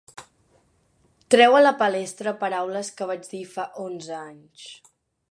Treu a la palestra paraules que vaig dir fa onze anys.